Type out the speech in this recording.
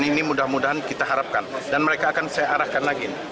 ini mudah mudahan kita harapkan dan mereka akan saya arahkan lagi